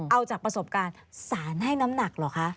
เอาจากประสบการณ์สารให้น้ำหนักเหรอคะ